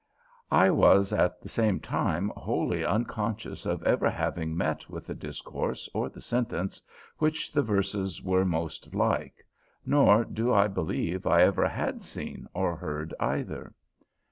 I was at the same time wholly unconscious of ever having met with the discourse or the sentence which the verses were most like, nor do I believe I ever had seen or heard either.